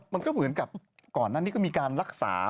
มันก็เหมือนกับก่อนนั้นนี่ก็มีการรักษา